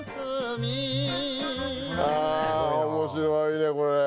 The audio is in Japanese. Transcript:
あ面白いねこれ。